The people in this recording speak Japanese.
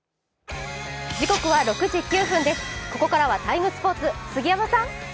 ここからは「ＴＩＭＥ，スポーツ」、杉山さん。